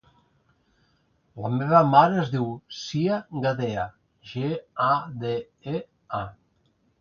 La meva mare es diu Sia Gadea: ge, a, de, e, a.